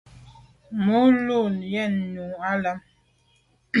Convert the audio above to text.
Me lo yen nyu à lem.